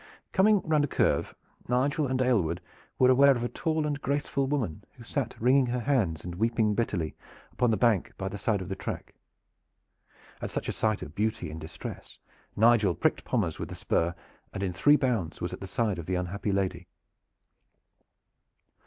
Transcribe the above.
Coming round a curve, Nigel and Aylward were aware of a tall and graceful woman who sat, wringing her hands and weeping bitterly, upon the bank by the side of the track. At such a sight of beauty in distress Nigel pricked Pommers with the spur and in three bounds was at the side of the unhappy lady.